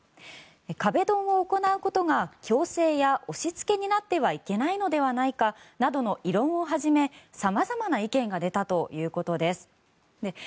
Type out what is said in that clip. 壁ドンを行うことが強制や押しつけになってはいけないのではないかなどの異論をはじめ、様々な意見が出たということです。